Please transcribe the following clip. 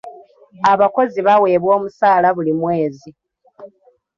Abakozi baweebwa omusala buli mwezi.